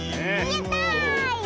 やった！